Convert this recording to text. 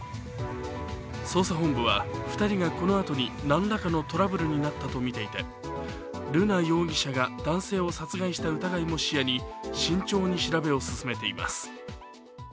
捜査本部は、２人がこのあとに何らかのトラブルになったと見ていて、瑠奈容疑者が男性を殺害した疑いも視野に慎重に調べを進めています。